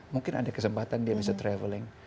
mungkin ada kesempatan dia bisa traveling